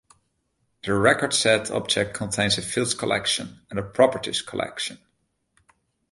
The Recordset object contains a Fields collection, and a Properties collection.